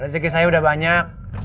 rezeki saya udah banyak